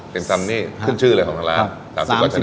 สิ่งซ้ำนี่ขึ้นชื่อเลยของทางร้าน